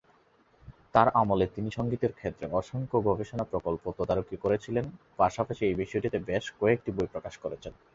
তাঁর আমলে তিনি সংগীতের ক্ষেত্রে অসংখ্য গবেষণা প্রকল্প তদারকি করেছিলেন, পাশাপাশি এই বিষয়টিতে বেশ কয়েকটি বই প্রকাশ করেছেন।